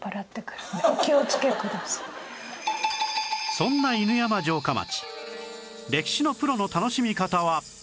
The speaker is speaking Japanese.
そんな犬山城下町歴史のプロの楽しみ方は